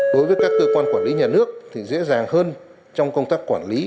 đối với các cơ quan quản lý nhà nước thì dễ dàng hơn trong công tác quản lý